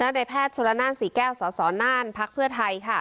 นาฬิแพทย์ชลนั่นสี่แก้วสสนั่นพักเพื่อไทยค่ะ